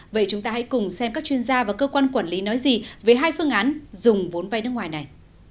vậy chúng ta hãy cùng xem các chuyên gia và cơ quan quản lý nói gì về hai phương án dùng vốn vay nước ngoài này